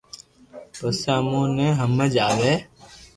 پسو اموني ني ھمج ۾ اوي